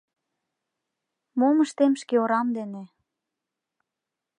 Мом ыштем шкеорам дене?